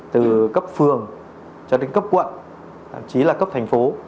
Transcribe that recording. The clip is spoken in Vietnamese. từ cấp phường cho đến cấp quận thậm chí là cấp thành phố